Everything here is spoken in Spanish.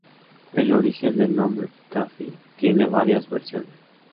El origen del nombre Tafí tiene varias versiones.